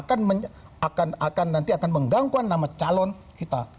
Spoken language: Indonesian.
akan nanti akan menggangguan nama calon kita